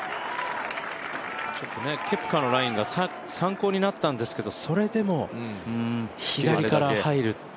ケプカのラインが参考になったんですけどそれでも左から入る。